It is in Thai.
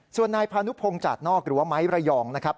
ส่วนนายพานุพงศ์จาดนอกหรือว่าไม้ระยองนะครับ